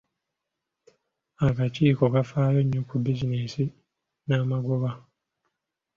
Akakiiko kafaayo nnyo ku bizinensi n'amagoba.